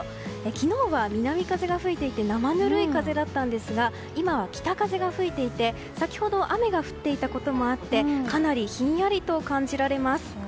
昨日は南風が吹いていて生ぬるい風だったんですが今は北風が吹いていて、先ほど雨が降っていたこともあってかなりひんやりと感じられます。